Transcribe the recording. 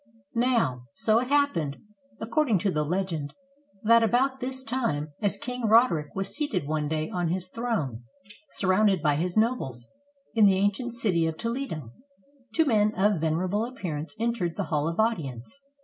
] Now. so it happened, according to the legend, that about this time, as King Roderick was seated one day on his throne, surrounded by his nobles, in the ancient city of Toledo, two men of venerable appearance entered the hall of audience.